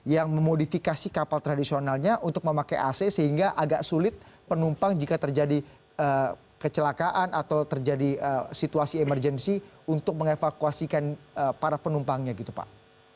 yang memodifikasi kapal tradisionalnya untuk memakai ac sehingga agak sulit penumpang jika terjadi kecelakaan atau terjadi situasi emergensi untuk mengevakuasikan para penumpangnya gitu pak